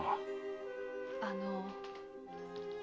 あの？